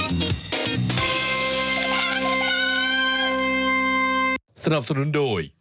อีกสักเครื่องด้วย